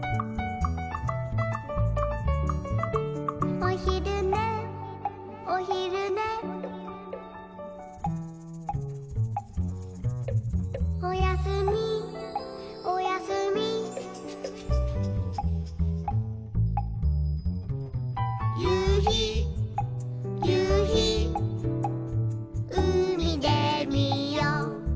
「おひるねおひるね」「おやすみおやすみ」「ゆうひゆうひうみでみよう」